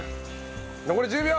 残り１０秒！